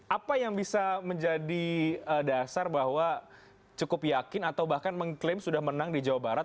apa yang bisa menjadi dasar bahwa cukup yakin atau bahkan mengklaim sudah menang di jawa barat